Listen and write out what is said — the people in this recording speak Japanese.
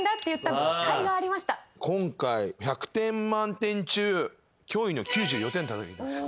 今回１００点満点中驚異の９４点たたき出しました。